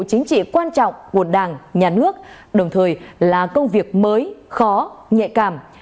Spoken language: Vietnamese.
chính trị quan trọng của đảng nhà nước đồng thời là công việc mới khó nhạy cảm